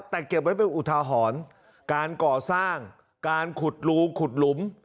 แต่เก็บไว้เป็นอุทาหรณ์การก่อสร้างการขุดรูขุดหลุม